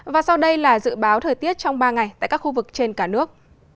và sau đây là dự báo thời tiết trong ba ngày tại các khu vực trên cả nước